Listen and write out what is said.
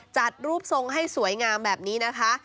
จัดรูปทรงให้สวยงามแบบนี้นะคะ